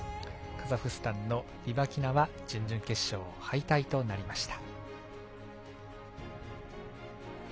カザフスタンのリバキナは準々決勝敗退となりました。